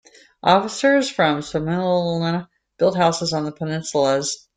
Officers from Suomenlinna built houses in the peninsulas.